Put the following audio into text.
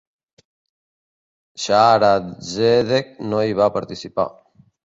Shaare Zedek no hi va participar.